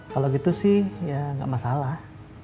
kalau gitu sih ya nggak masalah